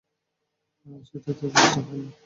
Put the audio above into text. সে তৃতীয় পৃষ্ঠা পায়নি।